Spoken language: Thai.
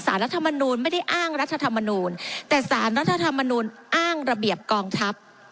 รัฐมนูลไม่ได้อ้างรัฐธรรมนูลแต่สารรัฐธรรมนูลอ้างระเบียบกองทัพ